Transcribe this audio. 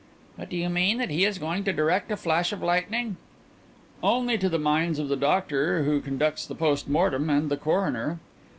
"But do you mean that he is going to direct a flash of lightning?" "Only into the minds of the doctor who conducts the post mortem, and the coroner.